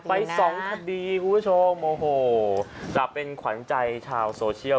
ไปสองคดีคุณผู้ชมโอ้โหจะเป็นขวัญใจชาวโซเชียล